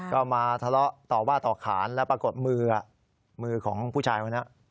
ก็มาทะเลาะต่อว่าต่อขานแล้วปรากฏมือมือของผู้ชายคนนี้